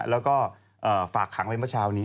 แล้วก็ฝากขังไว้เมื่อเช้านี้